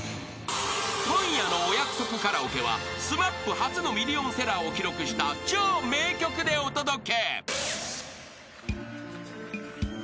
［今夜のお約束カラオケはＳＭＡＰ初のミリオンセラーを記録した超名曲でお届け］